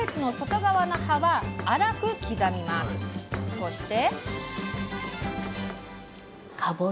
そして。